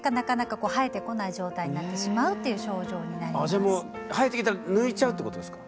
あじゃあもう生えてきたら抜いちゃうってことですか？